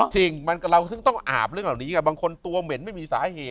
จริงเราซึ่งต้องอาบเรื่องเหล่านี้บางคนตัวเหม็นไม่มีสาเหตุ